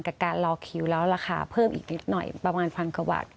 การรอคิวแล้วราคาเพิ่มอีกนิดหน่อยประมาณพันกว่าบาท